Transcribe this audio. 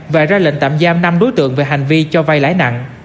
và ra lệnh tạm giam năm đối tượng về hành vi cho vay lãi nặng